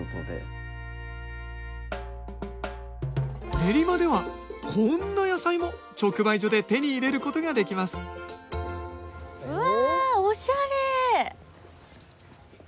練馬ではこんな野菜も直売所で手に入れることができますうわ。